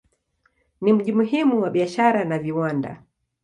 Ni mji muhimu wa biashara na viwanda.